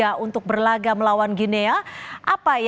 jadi kita bisa lebih tenang di sisi tersebut